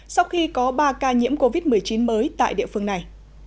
sau khi có ba ca nhiễm covid một mươi chín mới tại địa phương này